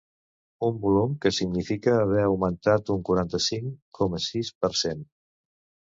Un volum que significa haver augmentat un quaranta-cinc coma sis per cent.